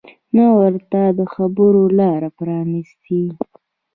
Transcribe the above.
نه ورته د خبرو لاره پرانیستې